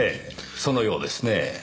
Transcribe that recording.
そのようですねぇ。